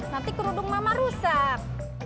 nanti kerudung mama rusak